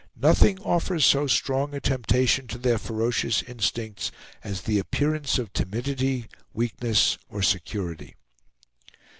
Nothing offers so strong a temptation to their ferocious instincts as the appearance of timidity, weakness, or security.